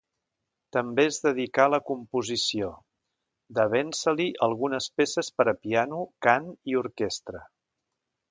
També es dedicà a la composició, devent-se-li algunes peces per a piano, cant i orquestra.